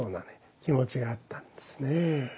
気持ちがあったんですね。